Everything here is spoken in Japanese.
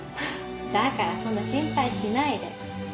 だからそんな心配しないで。